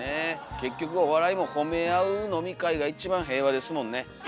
結局お笑いも褒め合う飲み会が一番平和ですもんね。